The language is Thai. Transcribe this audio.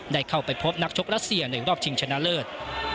ได้เข้าไปพบนักชกรัสเซียในรอบชิงชนะเลิศ